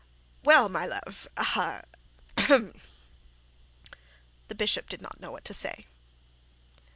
'Well, my love; ha hum he!' The bishop did not know what to say.